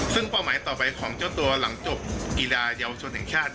ซึ่งเป้าหมายต่อไปของเจ้าตัวหลังจบกีฬาเยาวชนแห่งชาติ